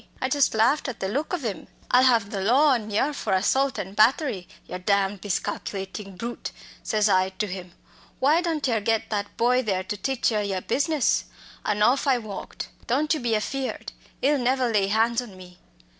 I just laughed at the look ov 'im. 'I'll have the law on yer for assault an' battery, yer damned miscalculatin' brute!' says I to him 'why don't yer get that boy there to teach yer your business?' An' off I walked. Don't you be afeared 'ee'll never lay hands on me!"